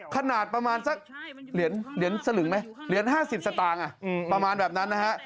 ขนาดประมาณสักเหรียญ๕๐สตางค์ประมาณแบบนั้นนะฮะ